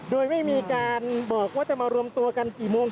โดยไม่มีการบอกว่าจะมารวมตัวกันกี่โมง